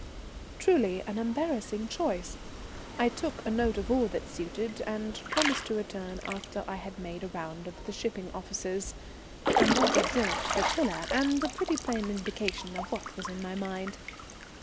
Truly an embarrassing choice! I took a note of all that suited, and promised to return after I had made a round of the shipping offices, another jaunt for Tiler, and a pretty plain indication of what was in my mind.